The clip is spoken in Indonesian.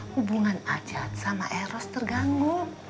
hubungan acat sama eros terganggu